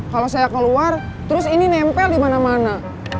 kalau saya keluar terus ini nempel dimana mana